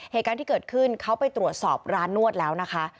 เหตุการณ์ที่เกิดขึ้นเขาไปตรวจสอบร้านนวดแล้วนะคะ